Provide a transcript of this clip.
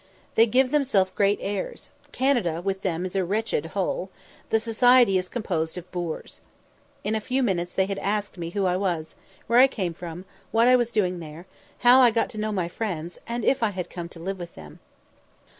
They give themselves great airs Canada with them is a "wretched hole;" the society is composed of "boors." In a few minutes they had asked me who I was where I came from what I was doing there how I got to know my friends and if I had come to live with them.